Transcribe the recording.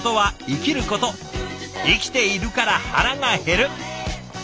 生きているから腹がへる。